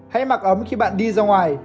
hãy mặc ấm khi bạn đi ra ngoài